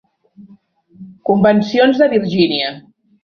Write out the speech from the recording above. Convencions de Virgínia